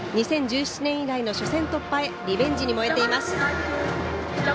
２０１７年以来の初戦突破へリベンジに燃えています。